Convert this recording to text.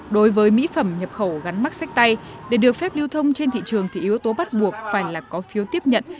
đối với mỹ phẩm nhập khẩu gắn mắt sách tay để được phép lưu thông trên thị trường thì yếu tố bắt buộc phải là có phiếu tiếp nhận